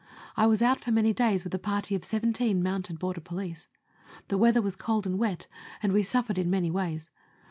I was out for many days with a party of seventeen mounted border police. The weather was cold and wet, and we suffered in many ways.